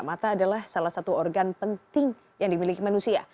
mata adalah salah satu organ penting yang dimiliki manusia